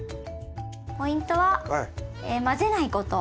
ポイントは混ぜないこと。